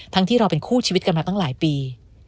ที่เราเป็นคู่ชีวิตกันมาตั้งหลายปี